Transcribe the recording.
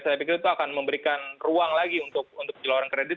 saya pikir itu akan memberikan ruang lagi untuk penyeluruhan kredit